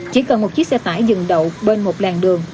chỉ cần một chiếc xe tải dừng đậu bên một làng đường